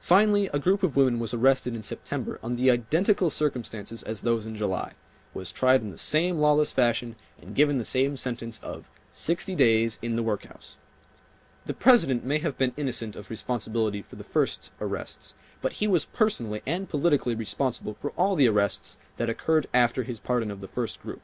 Finally a group of women was arrested in September under the identical circumstances as those in July, was tried in the same lawless fashion and given the same sentence of "sixty days in the workhouse." The President may have been innocent of responsibility for the first arrests, but he was personally and politically responsible for all the arrests that occurred after his pardon of the first, group.